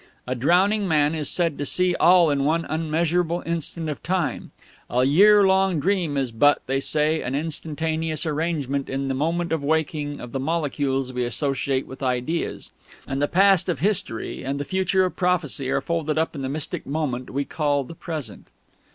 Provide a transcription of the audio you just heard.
A drowning man is said to see all in one unmeasurable instant of time; a year long dream is but, they say, an instantaneous arrangement in the moment of waking of the molecules we associate with ideas; and the past of history and the future of prophecy are folded up in the mystic moment we call the present....